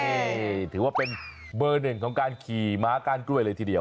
นี่ถือว่าเป็นเบอร์หนึ่งของการขี่ม้าก้านกล้วยเลยทีเดียว